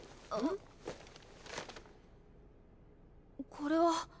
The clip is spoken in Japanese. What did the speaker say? これは。